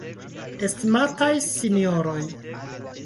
Estimataj sinjoroj!